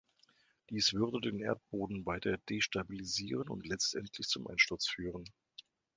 Dies würde den Erdboden weiter destabilisieren und letztendlich zum Einsturz führen.